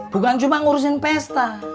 bukan cuma ngurusin pesta